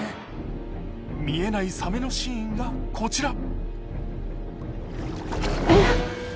見えないサメのシーンがこちら。